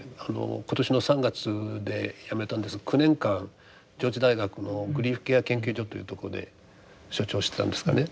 今年の３月で辞めたんですが９年間上智大学のグリーフケア研究所というところで所長してたんですがね